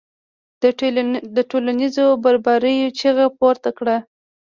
د ټولنیزو برابریو چیغه پورته کړه.